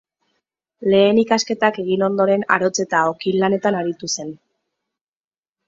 Lehen ikasketak egin ondoren, arotz- eta okin-lanetan aritu zen.